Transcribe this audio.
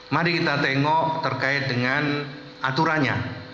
mari kita tengok terkait dengan aturannya